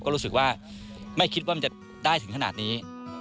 ก็รู้สึกว่าไม่คิดว่ามันจะได้ถึงขนาดนี้